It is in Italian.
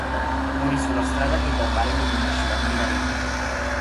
Morì sulla strada che da Bari lo conduceva al “Minareto”.